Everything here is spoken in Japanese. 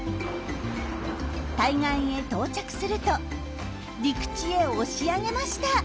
対岸へ到着すると陸地へ押し上げました。